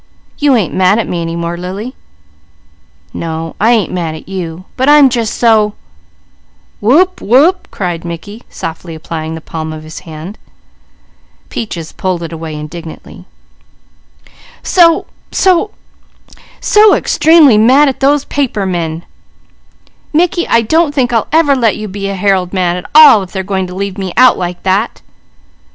You ain't mad at me any more, Lily?" "No, I ain't mad at you, but I'm just so " "Wope! wope!" cautioned Mickey. Peaches pulled away indignantly. " so so so estremely mad at those paper men! Mickey, I don't think I'll ever let you be a Herald man at all if they're going to leave me out like that!"